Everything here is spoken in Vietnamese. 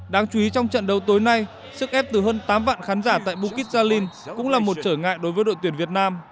trận đấu tối nay sức ép từ hơn tám vạn khán giả tại bukit jalil cũng là một trở ngại đối với đội tuyển việt nam